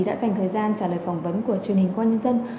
đã dành thời gian trả lời phỏng vấn của truyền hình công an nhân dân